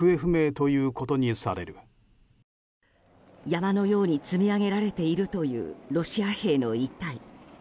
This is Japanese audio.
山のように積み上げられているというロシア兵の遺体。